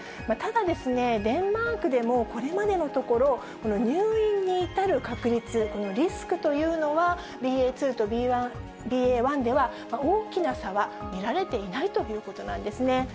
ただ、デンマークでもこれまでのところ、入院に至る確率、リスクというのは、ＢＡ．２とＢＡ．１では大きな差は見られていないということなんですね。